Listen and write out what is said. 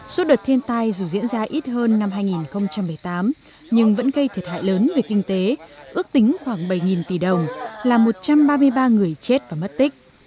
suốt đợt thiên tai dù diễn ra ít hơn năm hai nghìn một mươi tám nhưng vẫn gây thiệt hại lớn về kinh tế ước tính khoảng bảy tỷ đồng là một trăm ba mươi ba người chết và mất tích